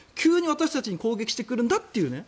私たちに攻撃してくるんだという。